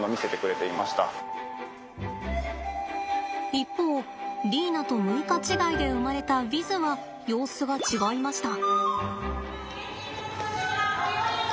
一方リーナと６日違いで生まれたヴィズは様子が違いました。